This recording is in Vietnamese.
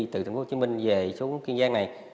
từ tp hcm về xuống kiên giang này